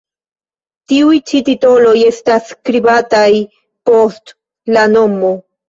Tiuj ĉi titoloj estas skribataj post la nomo.